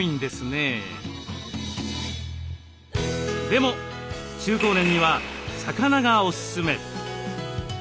でも中高年には魚がおすすめ。